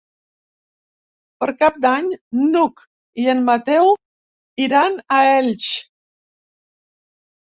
Per Cap d'Any n'Hug i en Mateu iran a Elx.